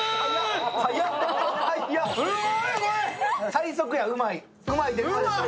最速や、うまい。